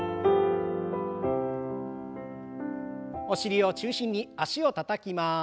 お尻を中心に脚をたたきます。